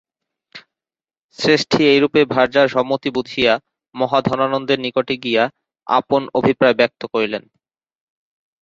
শ্রেষ্ঠী এই রূপে ভার্যার সম্মতি বুঝিয়া মহাধননন্দনের নিকটে গিয়া আপন অভিপ্রায় ব্যক্ত করিলেন।